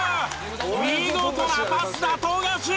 見事なパスだ富樫！